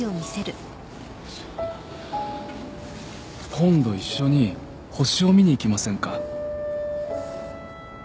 今度一緒に星を見に行きませんか？